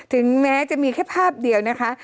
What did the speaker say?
ถึงแม้จะมีแค่ภาพเดียวนะคะ